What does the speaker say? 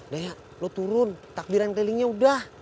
raya lu turun takbiran kelilingnya udah